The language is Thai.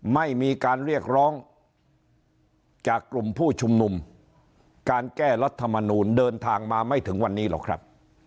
ไม่มีการเรียกร้องจากกลุ่มผู้ชุมนุมการแก้รัฐมนูลเดินทางมาไม่ถึงวันนี้หรอกครับ